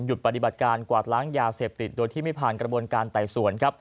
ปฏิบัติการกวาดล้างยาเสพติดโดยที่ไม่ผ่านกระบวนการไต่สวนครับ